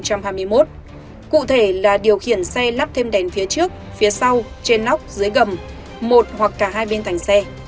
cụ thể là điều khiển xe lắp thêm đèn phía trước phía sau trên nóc dưới gầm một hoặc cả hai bên thành xe